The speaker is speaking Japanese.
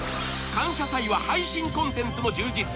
感謝祭は配信コンテンツも充実